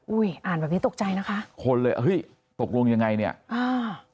อ่านแบบนี้ตกใจนะคะคนเลยเฮ้ยตกลงยังไงเนี้ยอ่า